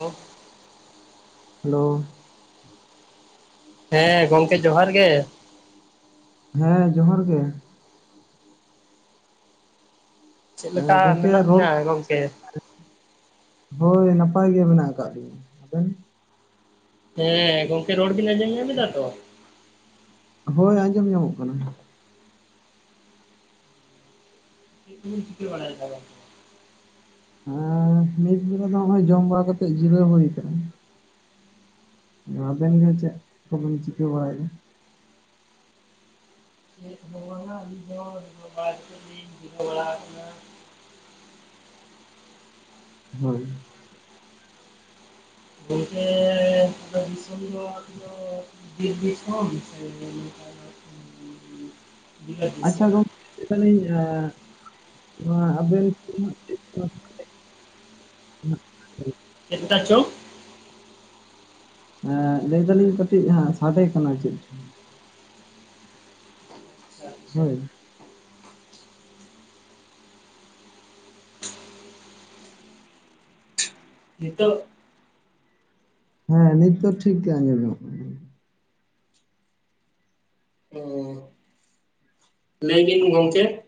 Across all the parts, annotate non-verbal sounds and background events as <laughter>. Hello! Hello! ᱦᱮᱸ ᱜᱚᱝᱠᱮ ᱡᱚᱦᱟᱨ ᱜᱮ᱾ ᱦᱮᱸ ᱡᱚᱦᱟᱨ ᱜᱮ᱾ ᱪᱮᱫ ᱞᱮᱠᱟ ᱮᱸ ᱜᱚᱝᱠᱮ ᱢᱮᱱᱟᱜ ᱨᱚᱲ ᱵᱤᱱᱟ ᱜᱚᱝᱠᱮ? ᱦᱳᱭ ᱱᱟᱯᱟᱭ ᱜᱮ ᱢᱮᱱᱟᱜ ᱟᱠᱟᱫ ᱞᱤᱧᱟᱹ᱾ ᱟᱵᱮᱱ? ᱦᱮᱸ ᱜᱚᱝᱠᱮ ᱨᱚᱲ ᱵᱤᱱ ᱟᱸᱡᱚᱢ ᱧᱟᱢ ᱮᱫᱟ ᱛᱚ? ᱦᱳᱭ ᱟᱸᱡᱚᱢ ᱧᱟᱢᱚᱜ ᱠᱟᱱᱟ᱾ ᱪᱮᱫ ᱠᱚᱵᱤᱱ ᱪᱤᱠᱟᱹ ᱵᱟᱲᱟᱭ ᱮᱫᱟ? ᱟᱨ ᱢᱤᱫ ᱵᱮᱲᱟ ᱫᱚ ᱱᱚᱜᱚᱭ ᱡᱚᱢ ᱵᱟᱲᱟ ᱠᱟᱛᱮᱜ ᱡᱤᱨᱟᱹᱣ ᱦᱩᱭ ᱟᱠᱟᱱᱟ᱾ ᱟᱵᱮᱱ ᱜᱮ ᱪᱮᱫ ᱠᱚᱵᱮᱱ ᱪᱤᱠᱟᱹ ᱵᱟᱲᱟᱭ ᱮᱫᱟ? ᱪᱮᱫ ᱦᱚᱸ ᱵᱟᱝᱼᱟ᱾ ᱟᱞᱤᱧ ᱦᱚᱸ <unintelligible> ᱡᱤᱨᱟᱹᱣ ᱵᱟᱲᱟ ᱟᱠᱟᱱᱟ᱾ ᱦᱳᱭ᱾ ᱜᱟᱝᱠᱮᱻ᱾ ᱟᱯᱮ ᱫᱤᱥᱚᱢ ᱫᱚ ᱢᱟᱱᱮ ᱵᱤᱨ ᱫᱤᱥᱚᱢ ᱥᱮ <inaudible> ᱵᱤᱞᱟᱹᱛ ᱟᱪᱪᱷᱟ ᱫᱤᱥᱚᱢ ᱜᱚᱝᱠᱮ ᱱᱚᱣᱟ ᱟᱵᱮᱱ <unintelligible> ᱪᱮᱫ ᱠᱟ ᱪᱚ? ᱞᱟᱹᱭ ᱮᱫᱟ ᱞᱤᱧ ᱠᱟᱹᱴᱤᱡ ᱦᱟᱸᱜ ᱥᱟᱰᱮ ᱠᱟᱱᱟ, ᱪᱮᱫ ᱪᱚᱝ? ᱦᱳᱭ᱾ ᱱᱤᱛᱚᱜ? ᱦᱮᱸ ᱱᱤᱛ ᱫᱚ ᱴᱷᱤᱠ ᱜᱮᱭᱟ ᱟᱸᱡᱚᱢᱚᱜ ᱠᱟᱱᱟ᱾ ᱚᱸ᱾ ᱞᱟᱹᱭ ᱵᱤᱱ ᱜᱚᱝᱠᱮ?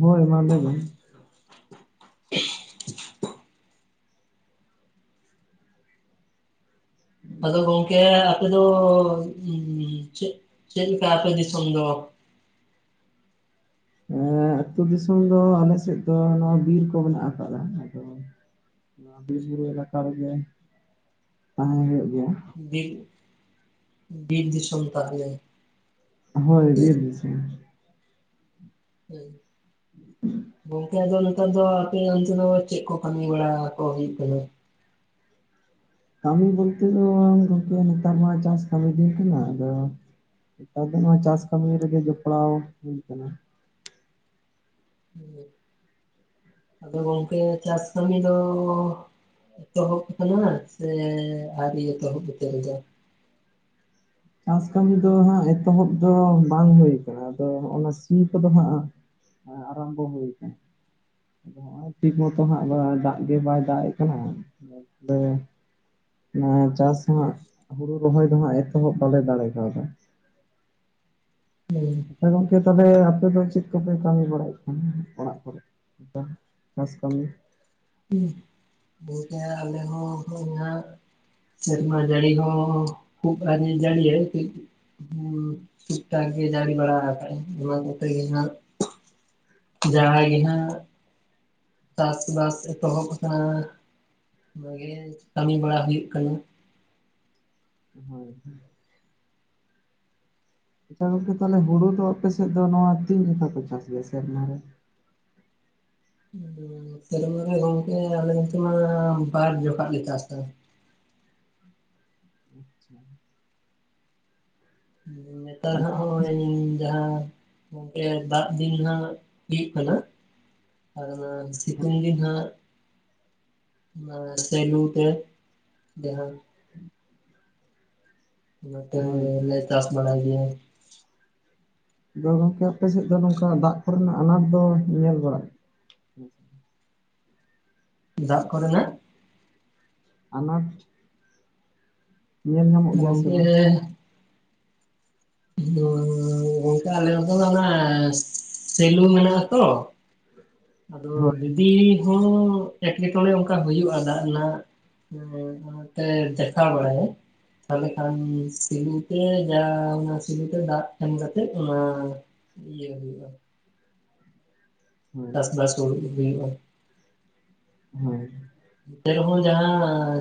ᱦᱳᱭ ᱢᱟ ᱞᱟᱹᱭ ᱵᱮᱱ ᱟᱫᱚ ᱜᱚᱝᱠᱮ ᱟᱯᱮ ᱫᱚ ᱪᱮᱫ ᱞᱮᱠᱟ ᱟᱯᱮ ᱫᱤᱥᱚᱢ ᱫᱚ? ᱟᱹᱛᱩ ᱫᱤᱥᱚᱢ ᱫᱚ ᱟᱞᱮ ᱥᱮᱫ ᱫᱚ ᱱᱚᱣᱟ ᱵᱤᱨ ᱠᱚ ᱢᱮᱱᱟᱜ ᱟᱠᱟᱫᱟ᱾ ᱟᱫᱚ ᱵᱤᱨ ᱵᱩᱨᱩ ᱮᱞᱟᱠᱟ ᱨᱮᱜᱮ ᱛᱟᱦᱮᱸ ᱦᱩᱭᱩᱜ ᱜᱮᱭᱟ᱾ ᱵᱤᱨ ᱵᱤᱨ ᱫᱤᱥᱚᱢ ᱛᱟᱦᱚᱞᱮ? ᱦᱳᱭ ᱵᱤᱨ ᱫᱤᱥᱚᱢ᱾ ᱦᱮᱸ ᱜᱚᱝᱠᱮ ᱟᱫᱚ ᱱᱮᱛᱟᱨ ᱫᱚ ᱟᱯᱮ ᱚᱱᱛᱮ ᱫᱚ ᱪᱮᱫ ᱠᱚ ᱠᱟᱹᱢᱤ ᱵᱟᱲᱟ ᱠᱚ ᱦᱩᱭᱩᱜ ᱠᱟᱱᱟ? ᱠᱟᱹᱢᱤ ᱵᱚᱞᱛᱮ ᱫᱚ ᱜᱚᱝᱠᱮ ᱱᱮᱛᱟᱨ ᱢᱟ ᱪᱟᱥ ᱠᱟᱢᱤ ᱫᱤᱱ ᱠᱟᱱᱟ᱾ ᱟᱫᱚ ᱱᱮᱛᱟᱨ ᱫᱚ ᱱᱚᱣᱟ ᱪᱟᱥ ᱠᱟᱹᱢᱤ ᱨᱮᱜᱮ ᱡᱚᱯᱲᱟᱣ ᱦᱩᱭ ᱟᱠᱟᱱᱟ᱾ ᱟᱫᱚ ᱜᱚᱝᱠᱮ ᱪᱟᱥ ᱠᱟᱹᱢᱤ ᱫᱚ ᱮᱛᱚᱦᱚᱵ ᱠᱟᱱᱟ ᱥᱮ ᱟᱹᱣᱨᱤᱭᱟ᱾ ᱪᱟᱥ ᱠᱟᱹᱢᱤ ᱫᱚ ᱦᱟᱸᱜ ᱮᱛᱚᱦᱚᱵ ᱫᱚ ᱵᱟᱝ ᱦᱩᱭ ᱟᱠᱟᱱᱼᱟ᱾ ᱟᱫᱚ ᱚᱱᱟ ᱥᱤ ᱠᱚᱫᱚ ᱦᱟᱸᱜ ᱟᱨᱟᱢᱵᱚ ᱦᱩᱭᱠᱟᱱᱟ᱾ ᱟᱫᱚ ᱦᱚᱸᱜᱼᱚᱭ ᱴᱷᱤᱠ ᱢᱚᱛᱚ ᱦᱟᱸᱜ ᱫᱟᱜ ᱫᱟᱜ ᱜᱮ ᱵᱟᱭ ᱫᱟᱜ ᱮ ᱠᱟᱱᱟ‌᱾ ᱟᱫᱚ ᱚᱱᱟ ᱪᱟᱥ ᱦᱟᱜ ᱦᱩᱲᱩ ᱨᱚᱦᱚᱭ ᱫᱚ ᱦᱟᱸᱜ ᱮᱛᱚᱦᱚᱵ ᱵᱟᱞᱮ ᱫᱟᱲᱮ ᱠᱟᱫᱟ᱾ ᱦᱮᱸ᱾ ᱟᱪᱪᱷᱟ ᱜᱚᱝᱠᱮ ᱛᱟᱦᱮᱞᱮ ᱟᱯᱮ ᱫᱚ ᱪᱮᱫ ᱠᱚᱯᱮ ᱠᱟᱹᱢᱤ ᱵᱟᱲᱟᱭᱮᱫ ᱠᱟᱱᱟ ᱚᱲᱟᱜ ᱠᱚᱨᱮᱜ? ᱵᱟᱝ, ᱪᱟᱥ ᱠᱟᱹᱢᱤ ᱦᱩᱸᱜ ᱵᱷᱮᱡᱟᱭᱟ ᱟᱞᱮ ᱦᱚᱸ ᱩᱴᱷᱟᱹᱣ ᱱᱷᱟᱸᱜ, ᱥᱮᱨᱢᱟ ᱡᱟᱹᱲᱤ ᱦᱚᱸ ᱠᱷᱩᱵ ᱨᱟᱱ ᱮ ᱡᱟᱹᱲᱤᱭᱟᱭ ᱠᱟᱹᱡ ᱦᱩᱸ ᱴᱷᱤᱠ ᱴᱟᱠ ᱜᱮ ᱡᱟᱲᱤ ᱵᱟᱲᱟ ᱦᱟᱠᱟᱜ ᱟᱭ, ᱱᱚᱣᱟ ᱠᱚᱛᱮ ᱜᱮ ᱦᱟᱸᱜ ᱡᱟᱦᱟᱸᱭ ᱜᱮ ᱱᱷᱟᱸᱻᱜ ᱪᱟᱥᱼᱵᱟᱥ ᱮᱛᱚᱦᱚᱵ ᱟᱠᱟᱱᱟ, ᱚᱱᱟᱜᱮ ᱠᱟᱹᱢᱤ ᱵᱟᱲᱟ ᱦᱩᱭᱩᱜ ᱠᱟᱱᱟ᱾ ᱦᱩᱭ ᱦᱚᱭ ᱾ ᱟᱪᱪᱷᱟ ᱜᱚᱝᱠᱮ ᱛᱟᱦᱮᱞᱮ ᱦᱩᱲᱩ ᱫᱚ ᱟᱯᱮ ᱥᱮᱫ ᱫᱚ ᱱᱚᱣᱟ ᱛᱤᱱ ᱡᱮᱠᱷᱟ ᱯᱮ ᱪᱟᱥ ᱜᱮᱭᱟ ᱥᱮᱨᱢᱟ ᱨᱮ? <unintelligible> ᱱᱚᱛᱮ ᱨᱮᱢᱟ ᱜᱚᱝᱠᱮ ᱟᱞᱮ ᱱᱚᱛᱮ ᱢᱟ ᱵᱟᱨ ᱡᱚᱠᱷᱟᱜ ᱞᱮ ᱪᱟᱥᱼᱟ᱾ ᱟᱪᱪᱷᱟ, <unintelligible> ᱱᱮᱛᱟᱨ ᱟᱫᱚ ᱦᱟᱸᱜ ᱦᱚᱸᱜᱼᱚᱭ ᱡᱟᱦᱟᱸ ᱜᱚᱝᱠᱮ ᱫᱟᱜ ᱫᱤᱱ ᱱᱷᱟᱸᱜ ᱦᱩᱭᱩᱜ ᱠᱟᱱᱟ, ᱟᱨ ᱚᱱᱟ ᱥᱤᱛᱩᱝ ᱫᱤᱱ ᱦᱟᱸᱜ ᱚᱱᱟ ᱥᱮᱞᱩ ᱛᱮ ᱡᱟᱦᱟᱸ ᱚᱱᱟᱛᱮᱻ ᱦᱳᱭ ᱞᱮ ᱪᱟᱥ ᱵᱟᱲᱟᱭ ᱜᱮᱭᱟ᱾ ᱟᱫᱚ ᱜᱚᱝᱠᱮ ᱟᱯᱮᱥᱮᱫ ᱫᱚ ᱱᱚᱝᱠᱟ ᱫᱟᱜ ᱠᱚᱨᱮᱱᱟᱜ ᱟᱱᱟᱴ ᱫᱚ ᱧᱮᱞ ᱵᱟᱲᱟᱜ ᱫᱟᱜ ᱠᱚᱨᱮᱱᱟᱜ? ᱟᱱᱟᱴ ᱧᱮᱞ ᱧᱟᱢᱚᱜ ᱜᱮᱭᱟ ᱥᱮ ᱵᱟᱝ? ᱜᱚᱝᱠᱮᱻᱦ ᱟᱫᱚᱻ ᱜᱚᱝᱠᱮ ᱟᱞᱮ ᱟᱫᱚ ᱟᱱᱟ ᱥᱮᱞᱩ ᱢᱮᱱᱟᱜ ᱟᱛᱚ ᱟᱫᱚ ᱦᱳᱭ ᱡᱩᱫᱤ ᱦᱚᱸᱜ ᱮᱴᱠᱮ ᱴᱚᱬᱮ ᱚᱸᱠᱟ ᱦᱩᱭᱩᱜᱼᱟ ᱫᱟᱜ ᱨᱮᱱᱟᱜ ᱮᱸ ᱚᱱᱟᱛᱮ ᱫᱮᱠᱷᱟᱣ ᱵᱟᱲᱟᱭᱟᱭ, ᱛᱟᱦᱚᱞᱮ ᱠᱷᱟᱱ ᱥᱤᱞᱩ ᱛᱮ ᱡᱟᱦᱟᱸ ᱚᱱᱟ ᱥᱤᱞᱩ ᱛᱮ ᱫᱟᱜ ᱮᱢ ᱠᱟᱛᱮᱫ ᱚᱱᱟ ᱤᱭᱟᱹ ᱦᱩᱭᱩᱜᱼᱟ, ᱦᱳᱭ ᱪᱟᱥᱵᱟᱥ ᱠᱚ ᱦᱩᱲᱩ ᱤᱨ ᱦᱩᱭᱩᱜᱼᱟ ᱾ ᱦᱮᱸ, ᱮᱱ ᱨᱮᱦᱚᱸ ᱡᱟᱦᱟᱸ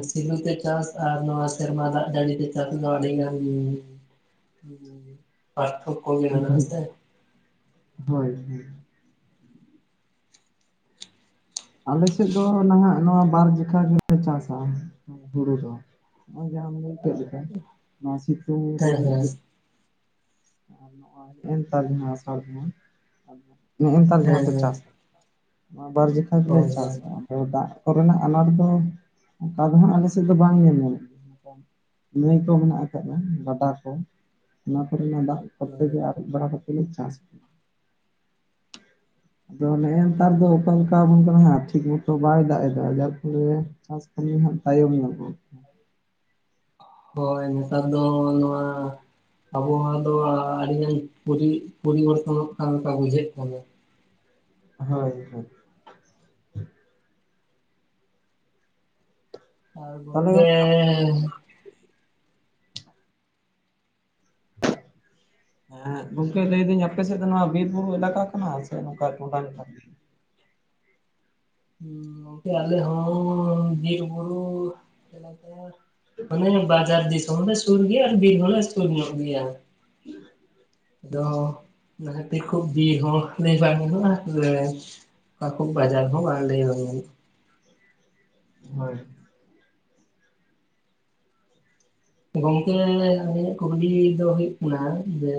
ᱥᱤᱞᱩ ᱛᱮ ᱪᱟᱥ ᱟᱨ ᱱᱚᱣᱟ ᱥᱮᱨᱢᱟ ᱫᱟᱜ ᱡᱟᱹᱲᱤ ᱛᱮ ᱪᱟᱥ ᱫᱚ ᱟᱹᱰᱤ ᱜᱟᱱ <inaudible> ᱦᱩᱸ ᱯᱟᱴᱷᱚᱠ ᱩᱸᱦᱩᱜ, ᱦᱚᱭ ᱦᱚᱭ ᱾ ᱟᱞᱮᱥᱮᱫ ᱫᱚ ᱚᱱᱟ ᱦᱟᱸᱜ ᱱᱚᱣᱟ ᱵᱟᱨ ᱡᱮᱠᱷᱟ ᱜᱮ ᱞᱮ ᱪᱟᱥᱟ, ᱦᱩᱸ ᱦᱩᱲᱩ ᱫᱚ᱾ ᱱᱚᱜᱼᱚᱭ ᱡᱟᱦᱟᱸᱢ ᱞᱟᱹᱭ ᱠᱮᱫ ᱡᱮᱠᱷᱟ ᱱᱚᱣᱟ ᱥᱤᱛᱩᱝ ᱦᱮᱸ ᱨᱮᱢ ᱦᱮᱸ ᱡᱟᱹᱯ- ᱟᱨ ᱱᱚᱜᱼᱚᱭ ᱱᱮᱜᱼᱮ ᱱᱮᱛᱟᱨ ᱜᱮ ᱱᱷᱟᱜ ᱟᱥᱟᱲ ᱵᱚᱸᱜᱟ <unintelligible> ᱱᱮᱜᱼᱮ ᱱᱮᱛᱟᱨ ᱱᱷᱟᱜ ᱦᱮᱸ ᱯᱮ ᱦᱮᱸ ᱪᱟᱥᱟ, ᱱᱚᱣᱟ ᱵᱟᱨ ᱡᱮᱠᱷᱟ ᱜᱮᱞᱮ ᱦᱳᱭ ᱪᱟᱥᱼᱟ᱾ ᱟᱫᱚ ᱫᱟᱜ ᱠᱚᱨᱮᱱᱟᱜ ᱟᱱᱟᱴ ᱫᱚ ᱚᱸᱠᱟ ᱫᱚ ᱱᱷᱟᱜ ᱟᱞᱮᱥᱮᱫ ᱫᱚ ᱵᱟᱝ ᱧᱮᱞ ᱧᱟᱢᱚᱜ, ᱱᱟᱹᱭ ᱠᱚ ᱢᱮᱱᱟᱜ ᱟᱠᱟᱫᱼᱟ, ᱜᱟᱰᱟ ᱠᱚ ᱚᱱᱟ ᱠᱚᱨᱮᱱᱟᱜ ᱫᱟᱜ ᱠᱚᱛᱮ ᱦᱳᱭ ᱜᱮ ᱟᱫ ᱟᱫ ᱵᱟᱲᱟ ᱠᱟᱛᱮ ᱞᱮ ᱪᱟᱥ ᱮᱫ, ᱟᱫᱚ ᱱᱮᱜᱼᱮ ᱱᱮᱛᱟᱨ ᱫᱚ ᱚᱠᱚᱭ ᱚᱸᱠᱟ ᱢᱚᱛᱚᱵ ᱱᱷᱟᱜ ᱴᱷᱤᱠ ᱢᱚᱛᱚ ᱵᱟᱭ ᱫᱟᱜ ᱮᱫᱟ ᱡᱟ ᱯᱷᱚᱲᱮ ᱪᱟᱥ ᱠᱟᱹᱢᱤ ᱱᱷᱟᱜ ᱛᱟᱭᱚᱢ ᱧᱚᱜᱚᱜ ᱦᱳᱭ ᱱᱮᱛᱟᱨ ᱫᱚ ᱱᱚᱣᱟ, ᱟᱵᱚᱭᱟᱜ ᱫᱚ ᱟᱻ ᱟᱹᱰᱤᱜᱟᱱ ᱯᱩᱨᱤ ᱯᱩᱨᱤ ᱵᱚᱨᱛᱚᱱᱚᱜ ᱠᱟᱱ ᱞᱮᱠᱟ ᱵᱩᱡᱷᱟᱹᱜ ᱠᱟᱱᱟ᱾ ᱦᱳᱭ ᱦᱚᱭ ᱾ ᱟᱨ ᱜᱚᱝᱠᱮ <inaudible> ᱮᱸᱻᱜ ᱜᱚᱝᱠᱮ ᱞᱟᱹᱭ ᱤᱫᱟᱹᱧ ᱟᱯᱮ ᱥᱮᱫ ᱫᱚ ᱱᱚᱣᱟ ᱵᱤᱨ ᱵᱩᱨᱩ ᱤᱞᱟᱠᱟ ᱠᱟᱱᱟ ᱥᱮ ᱱᱚᱝᱠᱟ ᱴᱚᱰᱟᱝ ᱠᱟᱱ? ᱜᱚᱝᱠᱮ ᱟᱞᱮᱦᱚ ᱵᱤᱨ ᱵᱩᱨᱩ ᱮᱞᱟᱠᱟ ᱢᱟᱱᱮ ᱵᱟᱡᱟᱨ ᱫᱤᱥᱚᱢ ᱞᱮ ᱥᱩᱨ ᱜᱮᱭᱟ ᱟᱨ ᱵᱤᱨ ᱦᱚᱞᱮ ᱥᱩᱨ ᱧᱚᱜ ᱜᱮᱭᱟ᱾ ᱟᱫᱚ ᱚᱱᱟ ᱠᱷᱟᱹᱛᱤ ᱠᱚ ᱵᱤᱨ ᱦᱚᱸ ᱞᱟᱹᱭ ᱵᱟᱝ ᱜᱟᱱᱚᱼᱟ ᱚᱠᱟᱠᱚ ᱵᱟᱡᱟᱨ ᱦᱚᱸ ᱞᱟᱹᱭ ᱠᱟᱝ ᱜᱟᱱᱚᱜ ᱾ ᱦᱚᱭ ᱾ ᱜᱚᱝᱠᱮ ᱟᱞᱤᱧᱟᱜ ᱠᱩᱠᱞᱤ ᱫᱚ ᱦᱩᱭᱩᱜ ᱠᱟᱱᱟ ᱡᱮ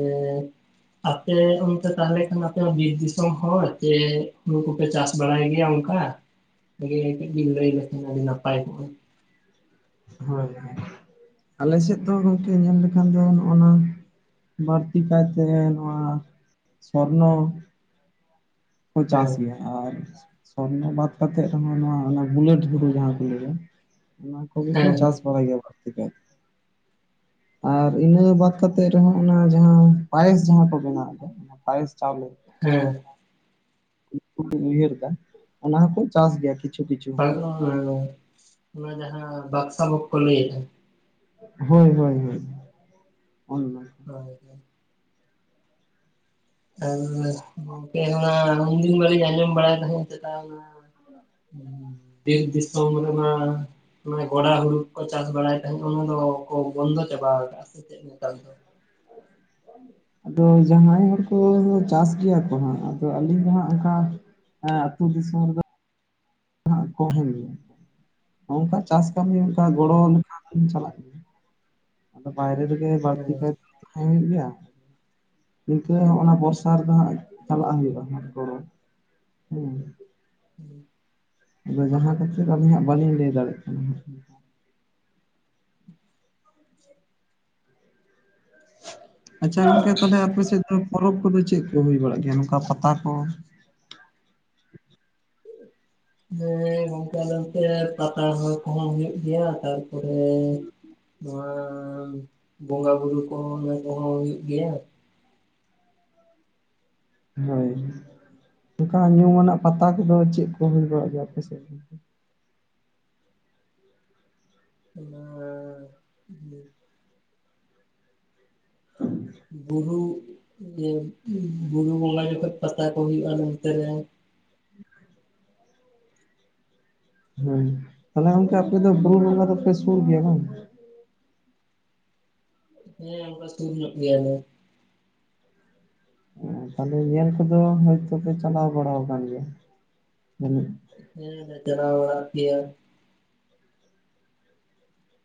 ᱟᱯᱮ ᱚᱱᱛᱮ ᱛᱟᱦᱚᱞᱮ ᱠᱷᱟᱱ ᱟᱯᱮ ᱵᱤᱨ ᱫᱤᱥᱚᱢ ᱦᱚᱲ ᱪᱮ ᱱᱩᱠᱩ ᱯᱮ ᱪᱟᱥ ᱵᱟᱲᱟᱭ ᱜᱮᱭᱟ ᱚᱱᱠᱟ? ᱠᱟᱹᱡ ᱵᱤᱱ ᱞᱟᱹᱭ ᱞᱮᱠᱷᱟᱱ ᱟᱹᱰᱤ ᱱᱟᱯᱟᱭ ᱠᱚᱜᱼᱟ᱾ ᱦᱚᱭ ᱟᱞᱮ ᱥᱮᱫ ᱫᱚ ᱜᱚᱝᱠᱮ ᱧᱮᱞ ᱞᱮᱠᱷᱟᱱ ᱫᱚ ᱱᱚᱜ ᱱᱚᱣᱟ ᱵᱟᱹᱲᱛᱤ ᱠᱟᱭᱛᱮ ᱱᱚᱣᱟ ᱥᱚᱨᱱᱚ ᱠᱚ ᱪᱟᱥ ᱦᱮᱸ ᱜᱮᱭᱟ ᱾ ᱟᱨ ᱥᱚᱨᱱᱚ ᱵᱟᱫ ᱠᱟᱛᱮᱫ ᱨᱮᱦᱚᱸ ᱱᱚᱣᱟ ᱚᱱᱟ ᱜᱩᱞᱟᱹᱴ ᱦᱩᱨᱩ ᱡᱟᱦᱟᱸ ᱠᱚ ᱞᱟᱹᱭᱟ ᱚᱱᱟ ᱠᱚᱜᱮ ᱠᱚ ᱦᱮᱸ ᱪᱟᱥ ᱵᱟᱲᱟᱭ ᱜᱮᱭᱟ ᱵᱟᱲᱛᱤ ᱠᱟᱭᱛᱮ ᱾ ᱟᱨ ᱤᱱᱟᱹ ᱵᱟᱫ ᱠᱟᱛᱮᱫ ᱨᱮᱦᱚᱸ ᱚᱱᱟ ᱡᱟᱦᱟᱸ ᱯᱟᱭᱮᱥ ᱡᱟᱦᱟᱸ ᱠᱚ ᱵᱮᱱᱟᱣ ᱮᱫᱟ ᱾ ᱯᱟᱭᱮᱥ ᱪᱟᱣᱞᱮ ᱾ ᱦᱮᱸ ᱾ ᱩᱱᱠᱩ ᱠᱚᱧ ᱩᱭᱦᱟᱹᱨ ᱮᱫᱟ ᱚᱱᱟ ᱦᱚᱸᱠᱚ ᱪᱟᱥ ᱜᱮᱭᱟ᱾ ᱠᱤᱪ ᱵᱟᱝ <unintelligible> ᱚᱱᱟ ᱡᱟᱦᱟᱸ ᱵᱟᱠᱥᱟ ᱵᱚᱠ ᱠᱚ ᱞᱟᱹᱭᱮᱫᱟ ᱦᱚᱭ ᱦᱚᱭ ᱦᱚᱭ ᱚᱱᱱᱟ ᱾ ᱦᱚᱭ ᱦᱚᱭ ᱾ <unintelligible> ᱜᱚᱝᱠᱮ ᱚᱱᱟ ᱩᱱᱫᱤᱱ ᱢᱟᱞᱤᱧ ᱟᱸᱡᱚᱢ ᱵᱟᱲᱟᱮᱛ ᱛᱟᱦᱮᱫ ᱛᱟᱭᱢᱟ ᱵᱤᱨ ᱫᱤᱥᱚᱢ ᱨᱮᱢᱟ ᱢᱟᱱᱮ ᱜᱚᱰᱟ ᱦᱩᱲᱩ ᱠᱚ ᱪᱟᱥ ᱵᱟᱲᱟᱭ ᱛᱟᱦᱮᱸᱫ ᱚᱱᱟ ᱫᱚ ᱵᱚᱱᱫᱚ ᱪᱟᱵᱟ ᱟᱠᱟᱜᱼᱟ ᱥᱮᱪᱮᱫ ᱱᱮᱛᱟᱨ ᱫᱚ? <inaudible> ᱟᱫᱚ ᱡᱟᱦᱟᱸᱭ ᱦᱚᱲ ᱠᱚ ᱪᱟᱥ ᱜᱮᱭᱟ ᱠᱚ ᱦᱟᱸᱜ ᱟᱫᱚ ᱟᱹᱞᱤᱧ ᱫᱚ ᱦᱟᱸᱜ ᱚᱱᱠᱟ ᱮᱸ ᱟᱹᱛᱩ ᱫᱤᱥᱚᱢ ᱨᱮᱫᱚ ᱦᱟᱸᱜ ᱠᱚᱢ ᱜᱮ ᱚᱱᱠᱟ ᱪᱟᱥ ᱠᱟᱹᱢᱤ ᱚᱱᱠᱟ ᱦᱮᱸ ᱜᱚᱲᱚ ᱞᱮᱠᱷᱟᱱ ᱤᱧ ᱪᱟᱞᱟᱜ ᱜᱮᱭᱟ ᱟᱫᱚ ᱵᱟᱭᱨᱮ ᱨᱮᱜᱮ ᱦᱮᱸ ᱵᱟᱹᱲᱛᱤ ᱠᱟᱭᱛᱮ ᱛᱟᱸᱦᱮ ᱜᱮᱭᱟ ᱾ ᱱᱤᱝᱠᱟᱹ ᱦᱚᱸ ᱚᱱᱟ ᱵᱚᱨᱥᱟ ᱨᱮᱫᱚ ᱦᱟᱸᱜ ᱪᱟᱞᱟᱜ ᱦᱩᱭᱩᱜᱼᱟ ᱜᱚᱲᱚ ᱦᱮᱸ᱾ ᱦᱮᱸ ᱾ ᱟᱫᱚ ᱡᱟᱦᱟᱸ ᱠᱷᱟᱹᱛᱤᱨ ᱟᱹᱞᱤᱧ ᱦᱟᱸᱜ ᱵᱟᱹᱞᱤᱧ ᱞᱟᱹᱭ ᱫᱟᱲᱮᱭᱟᱜ ᱠᱟᱱᱟ ᱾ ᱟᱪᱪᱷᱟ ᱜᱚᱝᱠᱮ ᱛᱟᱦᱞᱮ ᱟᱯᱮ ᱥᱮᱫ ᱫᱚ ᱯᱚᱨᱚᱵᱽ ᱠᱚᱫᱚ ᱪᱮᱫ ᱠᱚ ᱦᱩᱭ ᱵᱟᱲᱟᱜ ᱜᱮᱭᱟ ᱱᱚᱝᱠᱟ ᱯᱟᱛᱟ ᱠᱚ? <inaudible> ᱦᱮᱸ ᱜᱚᱝᱠᱮ ᱟᱞᱮ ᱱᱚᱛᱮ ᱯᱟᱛᱟ ᱦᱚᱸ ᱠᱚᱦᱚᱸ ᱦᱩᱭᱩᱜ ᱜᱮᱭᱟ᱾ ᱛᱟᱨᱯᱚᱨᱮ ᱱᱚᱶᱟ ᱵᱚᱸᱜᱟ ᱵᱩᱨᱩ ᱠᱚ ᱠᱚᱦᱚᱸ ᱦᱩᱭᱩᱜ ᱜᱮᱭᱟ ᱾ ᱦᱚᱭ ᱚᱱᱠᱟ ᱧᱩᱢ ᱟᱱᱟᱜ ᱯᱟᱛᱟ ᱠᱚᱫᱚ ᱪᱮᱫ ᱠᱚ ᱦᱩᱭ ᱵᱟᱲᱟᱜ ᱜᱮᱭᱟ ᱟᱯᱮ ᱥᱮᱫ ᱫᱚ? ᱚᱱᱟ ᱮᱸ ᱵᱩᱨᱩ ᱤᱭᱟᱹ ᱵᱩᱨᱩ ᱵᱚᱸᱜᱟ ᱡᱚᱠᱷᱟᱡ ᱯᱟᱛᱟ ᱠᱚ ᱦᱩᱭᱩᱜᱼᱟ ᱱᱚᱛᱮ ᱨᱮ ᱾ ᱦᱮᱸ ᱛᱟᱦᱞᱮ ᱜᱚᱢᱠᱮ ᱟᱯᱮ ᱫᱚ ᱵᱩᱨᱩ ᱵᱚᱸᱜᱟ ᱫᱚᱯᱮ ᱥᱩᱨ ᱜᱮᱭᱟ ᱵᱟᱝ? ᱦᱮᱸ ᱚᱱᱠᱟ ᱥᱩᱨ ᱧᱚᱜ ᱜᱮᱭᱟᱞᱮ ᱾ ᱛᱟᱦᱞᱮ ᱧᱮᱞ ᱠᱚᱫᱚ ᱦᱚᱭ ᱛᱚᱯᱮ ᱪᱟᱞᱟᱣ ᱵᱟᱲᱟᱣ ᱟᱠᱟᱱ ᱜᱮᱭᱟ ᱡᱟᱹᱱᱤᱡ? ᱦᱮᱸ ᱞᱮ ᱪᱟᱞᱟᱣ ᱵᱟᱲᱟᱜ ᱜᱮᱭᱟ ᱾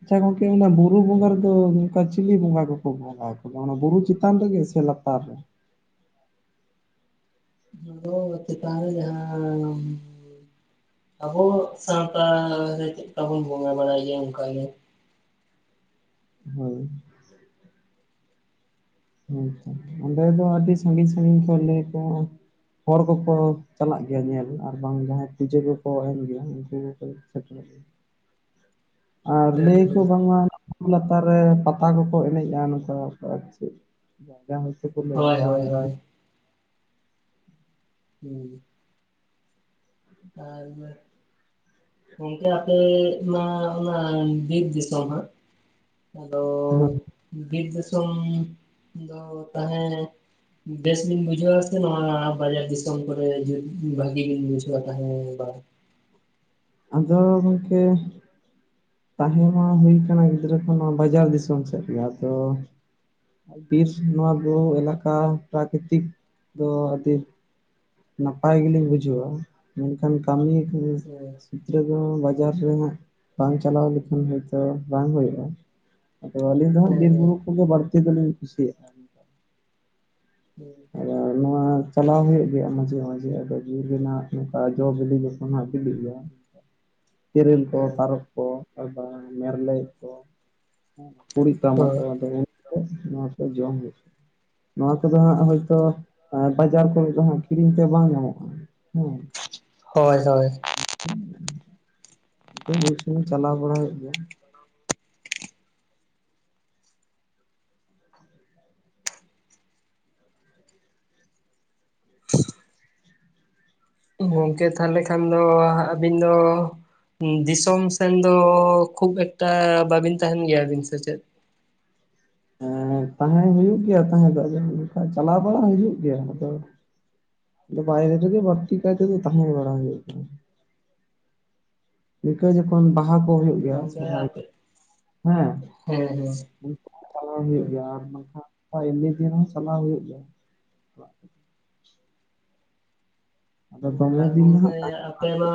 ᱟᱪᱪᱷᱟ ᱜᱚᱝᱠᱮ ᱚᱱᱟ ᱵᱩᱨᱩ ᱵᱚᱸᱜᱟ ᱨᱮᱫᱚ ᱱᱚᱝᱠᱟ ᱪᱤᱞᱤ ᱵᱚᱸᱜᱟ ᱠᱚᱠᱚ ᱵᱚᱸ <unintelligible> ᱚᱱᱟ ᱵᱩᱨᱩ ᱪᱮᱛᱟᱱ ᱨᱮᱜᱮ ᱥᱮ ᱞᱟᱛᱟᱨ ᱨᱮ? ᱱᱚᱣᱟᱫᱳ ᱪᱮᱛᱟᱱ ᱨᱮ ᱡᱟᱦᱟᱸ ᱟᱵᱚ ᱥᱟᱱᱛᱟᱲ ᱪᱮᱫᱠᱟᱵᱚᱱ ᱵᱚᱸᱜᱟ ᱵᱟᱲᱟᱭ ᱜᱮᱭᱟ, ᱚᱱᱠᱟᱜᱮ ᱦᱳᱭ ᱾ ᱦᱳᱭᱛᱚ ᱚᱸᱰᱮ ᱫᱚ ᱟᱹᱰᱤ ᱥᱟᱹᱜᱤᱧ ᱥᱟᱹᱜᱤᱧ ᱠᱚ ᱞᱟᱹᱭ ᱠᱚᱣᱟ ᱦᱚᱲ ᱠᱚᱠᱚ ᱪᱟᱞᱟᱜ ᱜᱮᱭᱟ, ᱧᱮᱞ ᱟᱨ ᱵᱟᱝ ᱡᱟᱦᱟᱸᱭ ᱯᱩᱡᱟᱹ ᱠᱚᱠᱚ ᱮᱢ ᱜᱮᱭᱟ ᱩᱱᱠᱩ ᱠᱚ ᱥᱮᱴᱮᱨᱚᱜ ᱜᱮᱭᱟ, ᱟᱨ ᱦᱮᱸ ᱞᱟᱹᱭ ᱟᱠᱚ ᱦᱮᱸ ᱵᱟᱝᱟ ᱞᱟᱛᱟᱨ ᱨᱮ ᱯᱟᱛᱟ ᱠᱚᱠᱚ ᱮᱱᱮᱡ ᱟ ᱱᱚᱝᱠᱟ ᱟᱨ ᱪᱮᱫ ᱡᱟᱭᱜᱟ ᱪᱮᱜᱠᱚ ᱞᱟ. ᱭᱟ ᱦᱳᱭ ᱵᱟᱝ ᱦᱳᱭ ᱦᱳᱭ <unintelligible> <unintelligible> ᱟᱨ ᱤᱱᱟᱹ ᱜᱚᱢᱠᱮ ᱟᱯᱮ ᱱᱚᱣᱟ ᱚᱱᱟ ᱵᱤᱨ ᱫᱤᱥᱚᱢ ᱦᱟᱸᱜ, ᱟᱫᱚ <unintelligible> ᱵᱤᱨ ᱫᱤᱥᱚᱢ ᱫᱚ ᱛᱟᱸᱦᱚᱞᱮ ᱵᱮᱥ ᱵᱤᱱ ᱵᱩᱡᱷᱟᱹᱣᱟ ᱥᱮ ᱱᱚᱣᱟ ᱵᱟᱡᱟᱨ ᱫᱤᱥᱚᱢ ᱠᱚᱨᱮ ᱵᱷᱟᱹᱜᱤ ᱵᱤᱱ ᱵᱩ ᱡᱟ ᱛᱟᱦᱟᱞᱮ ᱤᱧ ᱵᱟᱝ ᱟᱫᱚ ᱜᱚᱢᱠᱮ ᱛᱟᱦᱮᱸ ᱢᱟ ᱦᱳᱭ ᱠᱟᱱᱟ ᱜᱤᱫᱽᱨᱟᱹ ᱠᱷᱚᱱ ᱱᱚᱣᱟ ᱵᱟᱡᱟᱨ ᱫᱤᱥᱚᱢ ᱥᱮᱫ ᱜᱮ, ᱟᱫᱚ ᱵᱨᱤᱥ ᱱᱚᱣᱟ ᱫᱚ ᱮᱞᱟᱠᱟ ᱯᱨᱟᱠᱨᱤᱛᱤᱠ ᱫᱚ ᱟᱹᱫᱤᱢ ᱱᱟᱯᱟᱭ ᱜᱮᱞᱤᱧ ᱵᱩᱡᱷᱟᱹᱣᱟ, ᱢᱮᱱᱠᱷᱟᱱ ᱠᱟᱹᱢᱤ <unintelligible> ᱦᱩᱸ᱾ ᱜᱤᱫᱽᱨᱟ. ᱡᱚᱦᱚᱜ ᱵᱟᱡᱟᱨ ᱨᱮᱦᱟᱸᱜ ᱵᱟᱝ ᱪᱟᱞᱟᱣ ᱞᱮᱠᱷᱟᱱ ᱦᱚᱭᱛᱚ ᱵᱟᱝ ᱦᱳᱭᱳᱜᱼᱟ ᱾ ᱟᱫᱚ ᱟᱹᱞᱤᱧ ᱫᱚ ᱦᱟᱸᱜ ᱵᱤᱨᱼᱵᱩᱨᱩ ᱦᱮᱸ ᱠᱚᱜᱮ ᱵᱟᱹᱲᱛᱤ ᱫᱚᱞᱤᱧ ᱠᱩᱥᱤᱭᱟᱜᱼᱟ ᱾ ᱦᱩᱸ ᱦᱩᱸ᱾ ᱟᱫᱚ ᱱᱚᱣᱟ ᱪᱟᱞᱟᱣ ᱦᱩᱭᱩᱜ ᱜᱮᱭᱟ ᱢᱟᱡᱷᱮ ᱢᱟᱡᱷᱮ ᱟᱫᱚ ᱵᱤᱨ ᱨᱮᱱᱟᱜ ᱱᱚᱝᱠᱟ ᱡᱚ ᱵᱮᱞᱮ ᱡᱚᱠᱷᱱ ᱡᱚ ᱵᱤᱞᱤ ᱡᱚᱠᱷᱚᱱ ᱦᱟᱸᱜ ᱥᱤᱵᱤᱞ ᱜᱮᱭᱟ ᱾ ᱛᱮᱨᱮᱞ ᱠᱚ, ᱦᱮᱸ ᱛᱟᱨᱚᱵ ᱠᱚ ᱟᱨ ᱵᱟᱝ ᱢᱮᱨᱞᱮᱡ ᱠᱚ, ᱠᱩᱲᱤᱛ ᱨᱟᱢᱟ ᱠᱚ ᱧᱮᱞ ᱠᱟᱛᱮ ᱱᱩᱭᱟ ᱠᱚ ᱡᱚᱢ ᱦᱳᱭᱳᱜ ᱟ ᱱᱚᱣᱟ ᱠᱚᱫᱚ ᱦᱟᱸᱜ ᱦᱳᱭ ᱛᱚ ᱟᱸ ᱵᱟᱡᱟᱨ ᱠᱚᱨᱮᱜ ᱦᱟᱸᱜ ᱠᱤᱨᱤᱧ ᱛᱮ ᱵᱟᱝ ᱧᱟᱢᱚᱜᱼᱟ ᱾ ᱦᱳᱭ ᱦᱳᱭ᱾ ᱵᱩᱡ ᱵᱩᱡ ᱪᱟᱞᱟᱣ ᱵᱟᱲᱟᱭ ᱦᱳᱭᱳᱜ ᱜᱮᱭᱟ ᱾ ᱜᱚᱢᱠᱮ ᱛᱟᱸᱦᱮᱞᱮᱠᱷᱟᱱ ᱫᱚ ᱟᱹᱵᱤᱱ ᱫᱚ ᱩᱸ ᱫᱤᱥᱚᱢ ᱥᱮᱱ ᱫᱚ ᱠᱷᱩᱵ ᱮᱠᱴᱟ ᱵᱟᱹᱵᱤᱱ ᱛᱟᱦᱮᱸᱱ ᱜᱮᱭᱟᱵᱤᱱ ᱥᱮ ᱪᱮᱫ ᱾ ᱦᱮᱸ ᱛᱟᱦᱮᱸ ᱦᱩᱭᱩᱜ ᱜᱮᱭᱟ ᱛᱟᱦᱮᱸ ᱫᱚ ᱪᱟᱞᱟᱣ ᱵᱟᱲᱟᱜ ᱦᱩᱭᱩᱜ ᱜᱮᱭᱟ, ᱟᱫᱚ ᱵᱟᱭᱨᱮ ᱨᱮᱜᱮ ᱵᱟᱹᱲᱛᱤ ᱠᱟᱭᱛᱮ ᱛᱟᱸᱦᱮ ᱵᱟᱲᱟᱭ ᱦᱳᱭᱳᱜ ᱜᱮᱭᱟ ᱾ ᱤᱱᱠᱟᱹ ᱡᱚᱠᱷᱚᱱ ᱵᱟᱦᱟ ᱠᱚ ᱦᱳᱭᱳᱜ ᱟᱫᱚ ᱜᱮᱭᱟ ᱜᱚᱝᱠᱮ ᱥᱚᱨᱦᱟᱭ ᱠᱚ᱾ ᱟᱯᱮ ᱦᱮᱸ ᱪᱞᱟᱣ ᱦᱩᱭᱩᱜ ᱦᱮᱸ ᱜᱮᱭᱟ ᱟᱨ ᱵᱟᱝᱠᱷᱟᱱ ᱦᱮᱸ ᱮᱢᱱᱤ ᱫᱤᱱ ᱦᱚᱸ ᱪᱟᱞᱟᱣ ᱦᱳᱭᱳᱜ ᱜᱮᱭᱟ ᱾ ᱟᱫᱚ ᱫᱚᱢᱮ ᱟᱨ ᱫᱤᱱ ᱫᱚ ᱜᱚᱝᱠᱮ ᱦᱟᱸᱜ ᱟᱯᱮ ᱫᱚ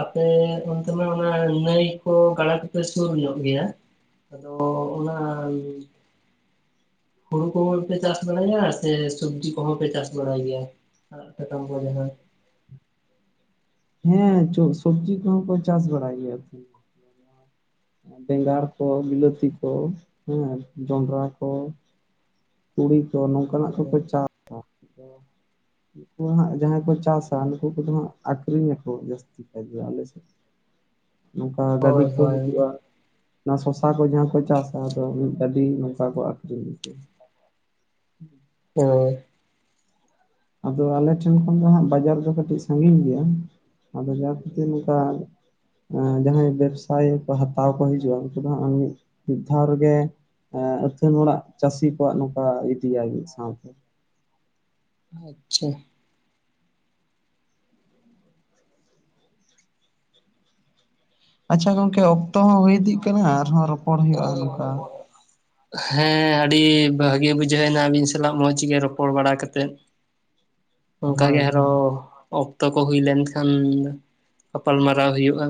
ᱟᱯᱮ ᱚᱱᱛᱮᱢᱟ ᱚᱱᱟ ᱱᱟᱹᱭ ᱠᱚ ᱜᱟᱰᱟ ᱠᱚᱯᱮ ᱥᱩᱨ ᱧᱚᱜ ᱜᱮᱭᱟ᱾ ᱚᱫᱚ ᱚᱱᱟ ᱦᱩᱲᱩ ᱠᱚᱦᱚᱸ ᱯᱮ ᱪᱟᱥ ᱵᱟᱲᱟᱭᱟ ᱥᱮ ᱥᱚᱵᱡᱤ ᱠᱚᱦᱚᱸ ᱯᱮ ᱪᱟᱥ ᱵᱟᱲᱟᱭ ᱜᱮᱭᱟ? ᱟᱨ ᱴᱷᱮᱠᱟᱢ <unintelligible> ᱦᱮᱸ ᱪᱚᱝ ᱥᱚᱵᱡᱤ ᱠᱚᱸᱦᱚᱸ ᱠᱚ ᱪᱟᱥ ᱵᱟᱲᱟᱭ ᱜᱮᱭᱟ ᱛᱚ᱾ ᱟᱨ ᱵᱮᱸᱜᱟᱲ ᱠᱚ, ᱵᱤᱞᱟᱹᱛᱤ ᱠᱚ, ᱦᱮᱸ ᱡᱚᱱᱰᱨᱟ ᱠᱚ᱾ ᱛᱩᱲᱤ ᱠᱚ ᱱᱚᱝᱠᱟᱱᱟᱜ ᱠᱚᱠᱚ ᱦᱮᱸ ᱪᱟ ᱩᱱᱩᱠᱩ ᱫᱚ ᱩᱱᱟᱸᱜ ᱡᱟᱦᱟᱸᱭ ᱠᱚ ᱪᱟᱥᱟ ᱱᱩᱠᱩ ᱠᱚᱫᱚ ᱦᱟᱸᱜ ᱟᱴ ᱤᱧᱦᱳ ᱡᱟᱹᱥᱛᱤ ᱠᱟᱭ ᱜᱮ ᱟᱞᱮ ᱥᱮᱫ ᱱᱚᱝᱠᱟ ᱜᱟᱰᱤ ᱦᱳᱭ ᱦᱳᱭ ᱠᱚ ᱦᱳᱭ ᱦᱤᱡᱩᱜ ᱟ ᱾ ᱱᱚᱣᱟ ᱥᱚᱥᱟ ᱠᱚ ᱡᱟᱦᱟᱸ ᱠᱚ ᱪᱟᱥᱟ ᱢᱤᱫ ᱜᱟᱰᱤ ᱱᱚᱝᱠᱟ ᱠᱚ ᱟᱠᱷᱨᱤᱧᱟ ᱾ ᱦᱳᱭ ᱟᱫᱚ ᱟᱞᱮ ᱴᱷᱮᱱ ᱠᱷᱚᱱ ᱫᱚ ᱦᱟᱸᱜ ᱵᱟᱡᱟᱨ ᱫᱚ ᱠᱟᱹᱴᱤᱡ ᱥᱟᱟᱹᱜᱤᱧ ᱜᱮᱭᱟ ᱾ ᱟᱫᱚ ᱡᱟᱦᱟ ᱠᱷᱟᱛᱤᱨ ᱱᱚᱝᱠᱟ ᱾ ᱮᱜ ᱡᱟᱦᱟᱸᱭ ᱵᱮᱵᱥᱟᱭ ᱦᱟᱛᱟᱣ ᱠᱚ ᱦᱤᱡᱩᱜᱼᱟ ᱩᱱᱠᱩ ᱫᱚᱦᱟᱜ ᱢᱤᱫ ᱫᱷᱟᱣ ᱨᱮᱜᱮ ᱮᱜ ᱟᱹᱛᱷᱟᱹᱱ ᱦᱚᱲᱟᱜ ᱪᱟᱹᱥᱤ ᱠᱚᱣᱟᱜ ᱱᱚᱝᱠᱟ ᱤᱫᱤᱭᱟ ᱢᱤᱫ ᱥᱟᱶᱛᱮ ᱟᱪᱪᱷᱟ ᱟᱪᱪᱷᱟ ᱜᱚᱝᱠᱮ ᱚᱠᱛᱚ ᱦᱚᱸ ᱦᱩᱭ ᱤᱫᱤᱜ ᱠᱟᱱᱟ ᱟᱨᱦᱚᱸ ᱨᱚᱯᱚᱲ ᱦᱩᱭᱩᱜᱼᱟ ᱱᱚᱝᱠᱟ ᱦᱮᱸ ᱟᱹᱰᱤ ᱵᱷᱟᱹᱜᱤ ᱵᱩᱡᱷᱟᱹᱣ ᱱᱟ ᱟᱹᱵᱤᱱ ᱥᱟᱞᱟᱜ ᱢᱚᱡᱽ ᱜᱮ ᱨᱚᱯᱚᱲ ᱵᱟᱲᱟ ᱠᱟᱛᱮᱫ᱾ ᱚᱱᱠᱟ ᱜᱮ ᱦᱳᱭ ᱟᱨᱚ ᱦᱳᱭ ᱚᱠᱛᱚ ᱠᱚ ᱦᱩᱭ ᱞᱮᱱᱠᱷᱟᱱ ᱜᱟᱯᱟᱞᱢᱟᱨᱟᱣ ᱦᱩᱭᱩᱜᱼᱟ᱾